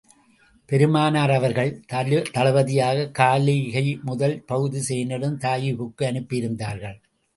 பெருமானார் அவர்கள், தளபதியாக காலிதை முதல் பகுதி சேனையுடன் தாயிபுக்கு அனுப்பியிருந்தார்கள்.